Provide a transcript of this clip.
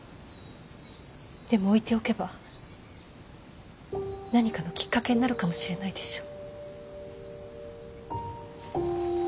でも置いておけば何かのきっかけになるかもしれないでしょ。